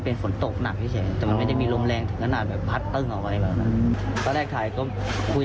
บอกให้ปิดให้ด้วยนะเข้ามากี่คนก็ปิดให้ด้วย